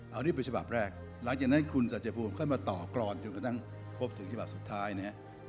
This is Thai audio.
เอาเรียกไปฉภาพแรกหลังจากนั้นคุณสัชยภูมิเข้ามาต่อกร้อนจนกระทั่งพบถึงฉภาพสุดท้ายนะครับ